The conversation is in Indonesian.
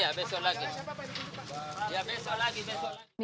ya besok lagi besok lagi